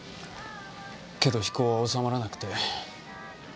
けど非行はおさまらなくて。